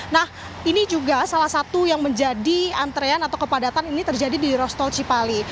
nah ini juga salah satu yang menjadi antrean atau kepadatan ini terjadi di ruas tol cipali